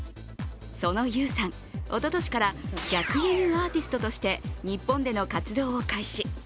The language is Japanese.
そのＹＵさん、おととしから逆輸入アーティストとして日本での活動を開始。